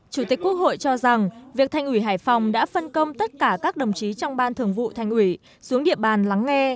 chủ tịch quốc hội cho rằng việc thành ủy hải phòng đã phân công tất cả các đồng chí trong ban thường vụ thành ủy xuống địa bàn lắng nghe